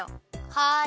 はい！